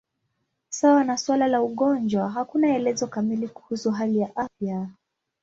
Sawa na suala la ugonjwa, hakuna elezo kamili kuhusu hali ya afya.